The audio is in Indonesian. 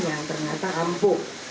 yang ternyata ampuh